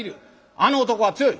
あの男は強い。